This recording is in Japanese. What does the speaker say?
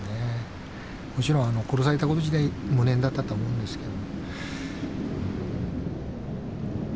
もちろん殺されたこと自体無念だったとは思うんですけども。